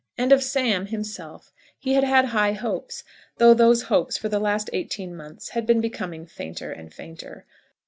And of Sam, himself, he had had high hopes, though those hopes, for the last eighteen months had been becoming fainter and fainter.